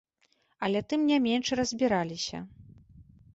Але тым не менш разбіраліся.